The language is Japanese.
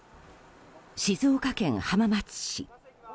静岡県浜松市。